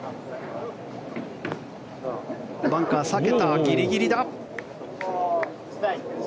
バンカー避けたギリギリだ。